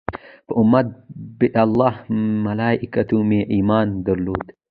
په امنت بالله ملایکته مې ایمان درلود.